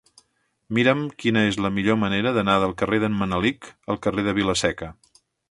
Mira'm quina és la millor manera d'anar del carrer d'en Manelic al carrer de Vila-seca.